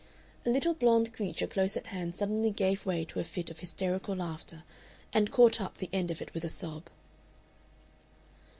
A little blond creature close at hand suddenly gave way to a fit of hysterical laughter, and caught up the end of it with a sob.